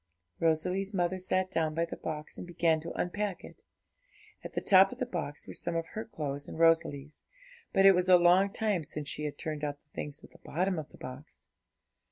Rosalie's mother sat down by the box, and began to unpack it. At the top of the box were some of her clothes and Rosalie's; but it was a long time since she had turned out the things at the bottom of the box.